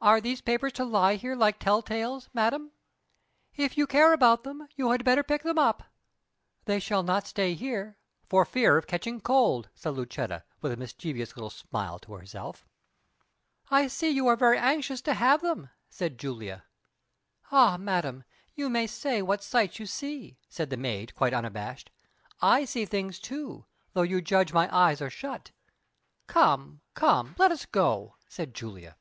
"Are these papers to lie here like tell tales, madam?" "If you care about them, you had better pick them up." "They shall not stay here, for fear of catching cold," said Lucetta, with a mischievous little smile to herself. "I see you are very anxious to have them," said Julia. "Ay, madam, you may say what sights you see," said the maid, quite unabashed. "I see things, too, although you judge my eyes are shut." "Come, come, let us go," said Julia.